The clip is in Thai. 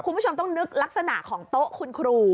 คุณผู้ชมต้องนึกลักษณะของโต๊ะคุณครู